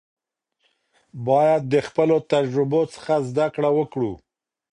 باید د خپلو تجربو څخه زده کړه وکړو.